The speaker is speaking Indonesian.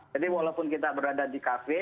jadi walaupun kita berada di cafe